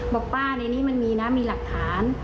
บอกป้าในนี้มันมีนะมีหลักฐาน